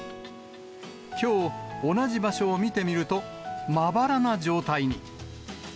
きょう同じ場所を見てみると、まばらな状態に。